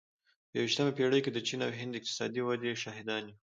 په یوویشتمه پېړۍ کې د چین او هند د اقتصادي ودې شاهدان یو.